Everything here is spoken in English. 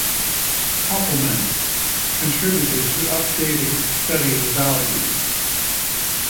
Kopelman contributed to updating the Study of Values.